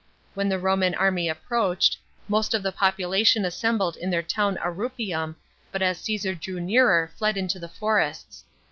When the Roman army approached, most of the population assembled in their town Arupinm, but as Csesar drew nearer fled into the forests.